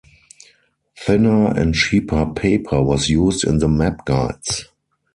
Thinner and cheaper paper was used in the map guides.